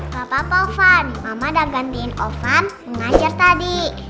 papa pak irfan mama udah gantiin irfan mengajar tadi